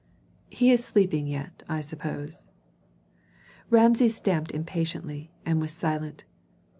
"He is sleeping yet, I suppose." Rameses stamped impatiently, and was silent.